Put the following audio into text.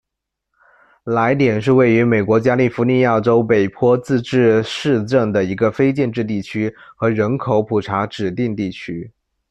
莱点是位于美国阿拉斯加州北坡自治市镇的一个非建制地区和人口普查指定地区。